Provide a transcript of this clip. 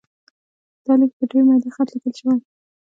دا لیک په ډېر میده خط لیکل شوی.